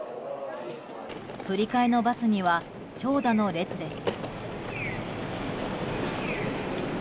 振り替えのバスには長蛇の列です。